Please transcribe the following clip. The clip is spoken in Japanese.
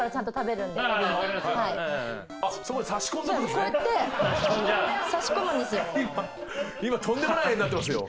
こうやって差し込むんですよ。